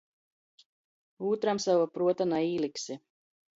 Ūtram sova pruota naīliksi.